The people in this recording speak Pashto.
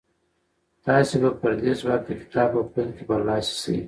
تاسې به پر دې ځواک د کتاب په پيل کې برلاسي شئ.